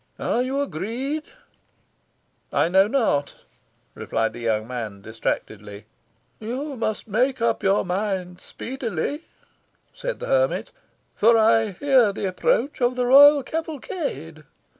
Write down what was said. Are you agreed?" "I know not," replied the young man distractedly. "You must make up your mind speedily," said the hermit; "for I hear the approach of the royal cavalcade."